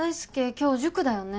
今日塾だよね？